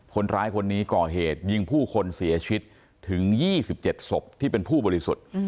คนร้ายคนนี้ก่อเหตุยิงผู้คนเสียชีวิตถึง๒๗ศพที่เป็นผู้บริสุทธิ์